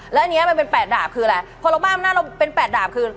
แล้วอันนี้มันเป็น๘ดาบคืออะไรพอเราบ้าอำนาจเราเป็น๘ดาบคือ